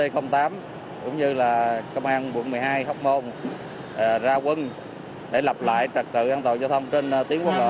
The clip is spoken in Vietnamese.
cũng như công an quận một mươi hai hóc môn ra quân để lập lại trật tự an toàn giao thông trên tiến quốc lộ hai mươi hai